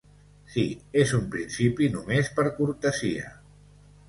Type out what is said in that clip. Sí, és un principi només per cortesia.